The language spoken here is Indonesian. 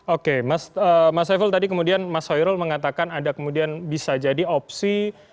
oke mas saiful tadi kemudian mas hoirul mengatakan ada kemudian bisa jadi opsi